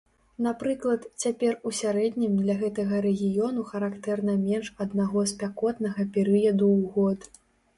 Напрыклад, цяпер у сярэднім для гэтага рэгіёну характэрна менш аднаго спякотнага перыяду ў год.